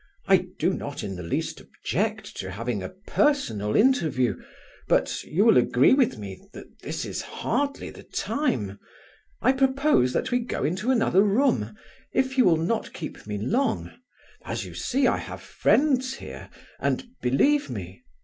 I do not in the least object to having a personal interview... but you will agree with me that this is hardly the time... I propose that we go into another room, if you will not keep me long... As you see, I have friends here, and believe me..."